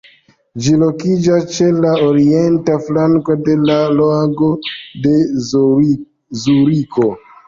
Ĝi lokiĝas ĉe la orienta flanko de la "Lago de Zuriko".